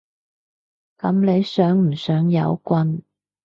噉你想唔想有棍？